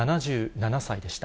７７歳でした。